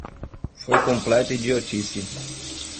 Foi completa idiotice.